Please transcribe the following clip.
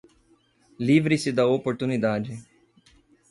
Livre-se da oportunidade